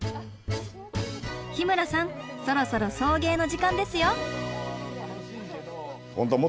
日村さんそろそろ送迎の時間ですよ！